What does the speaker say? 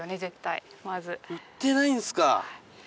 売ってないんすか。